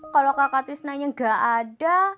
kalau kakak tisnanya gak ada